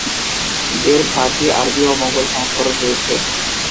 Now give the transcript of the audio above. এর ফারসি, আরবি ও মোঙ্গল সংস্করণ রয়েছে।